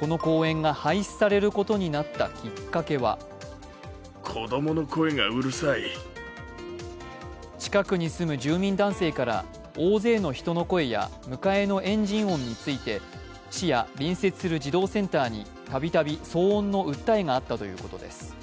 この公園が廃止されることになったきっかけは近くに住む住民男性から大勢の人の声や迎えのエンジン音について市や、隣接する児童センターに度々騒音の訴えがあったということです。